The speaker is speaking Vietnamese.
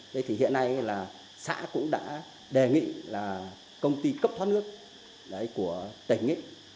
thế thì hiện nay là xã cũng đã đề nghị là công ty cấp thoát nước của tỉnh